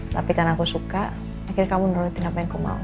tapi karena aku suka akhirnya kamu nurutin apa yang ku mau